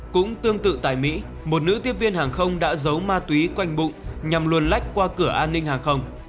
cũng tương tự tại mỹ một nữ tiếp viên hàng không đã giấu ma túy quanh bụng nhằm luồn lách qua cửa an ninh hàng không